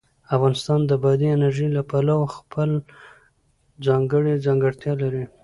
افغانستان د بادي انرژي له پلوه خپله ځانګړې ځانګړتیا لري.